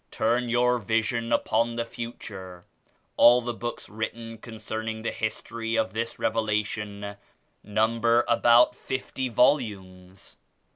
Turn your vision upon the future. All the books written concerning the History of this Revelation number about fifty volumes."